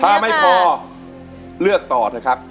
ถ้าไม่พอเลือกต่อเถอะครับ